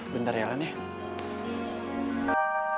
bentar ya lan ya